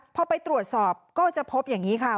พอไปตรวจสอบก็จะพบอย่างนี้ค่ะ